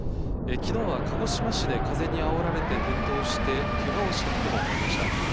きのうは鹿児島市で風にあおられて転倒してけがをした人もいました。